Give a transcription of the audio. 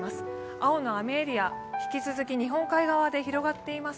青の雨エリア、引き続き日本海側エリアで広がっています。